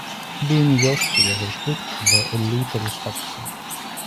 The university was restricted to the elite aristocracy.